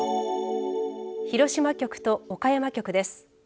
広島局と岡山局です。